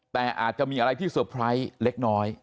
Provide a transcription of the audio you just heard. แต่อาจจะมีอะไรที่เตอร์ไพรส์เล็กน้อย